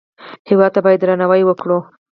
هېواد ته باید درناوی وکړو